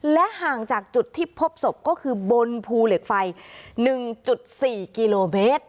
และห่างจากจุดที่พบศพก็คือบนภูเหล็กไฟ๑๔กิโลเมตร